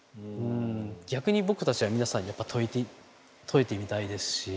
逆に僕たちは皆さんに問いてみたいですし